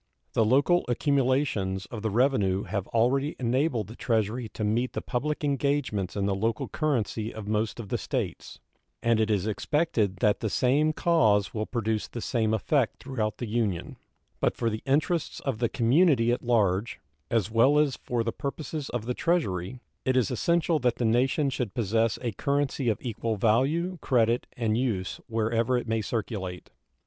The local accumulations of the revenue have already enabled the Treasury to meet the public engagements in the local currency of most of the States, and it is expected that the same cause will produce the same effect throughout the Union; but for the interests of the community at large, as well as for the purposes of the Treasury, it is essential that the nation should possess a currency of equal value, credit, and use wherever it may circulate.